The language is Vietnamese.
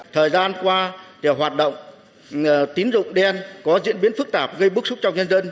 thời gian qua hoạt động tín dụng đen có diễn biến phức tạp gây bức xúc cho nhân dân